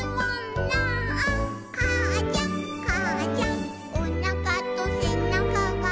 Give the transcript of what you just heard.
「かあちゃんかあちゃん」「おなかとせなかが」